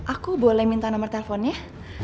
aku boleh minta nomor teleponnya